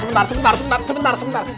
sebentar sebentar sebentar sebentar sebentar